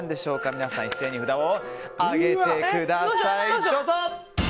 皆さん一斉に札を上げてください。